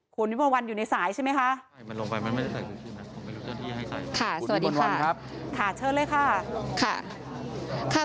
คุณนิววันอยู่ในสายใช่ไหมคะ